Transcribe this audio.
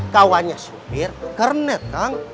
kawannya supir kerenet kang